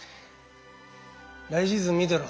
来シーズン見てろ。